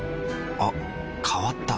あ変わった。